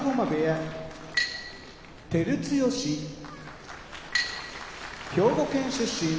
照強兵庫県出身